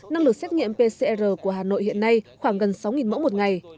năng lực xét nghiệm pcr của hà nội hiện nay khoảng gần sáu mẫu một ngày